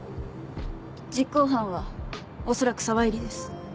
実行犯は恐らく沢入です。